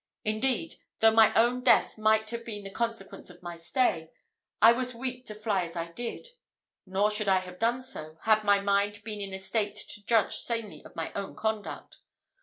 Indeed, though my own death might have been the consequence of my stay, I was weak to fly as I did; nor should I have done so, had my mind been in a state to judge sanely of my own conduct.